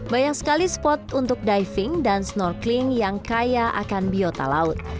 banyak sekali spot untuk diving dan snorkeling yang kaya akan biota laut